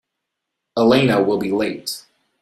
Elena will be late.